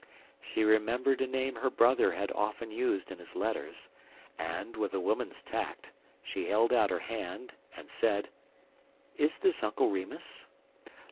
She remembered a name her brother had often used in his letters, and, with a woman's tact, she held out her hand, and said: "Is this Uncle Remus?"